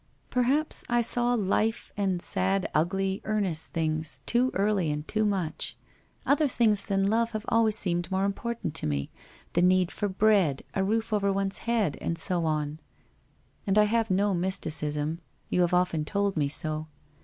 1 Perhaps I saw life and sad ugly, earnest things, too early and too much. Other things than love have always seemed more important to me — the need for bread — a roof over one's head and so on. And I have no mysticism. You have often told me so.